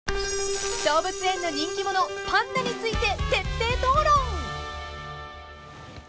［動物園の人気者パンダについて徹底討論！］